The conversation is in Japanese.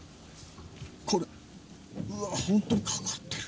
これ、うわっ、本当にかかってる。